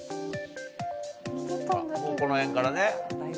もうこのへんからね。